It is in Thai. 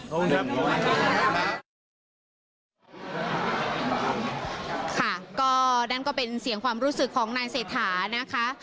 ค่ะก็นั่นก็เป็นเสียงความรู้สึกของนายเศรษฐานะคะ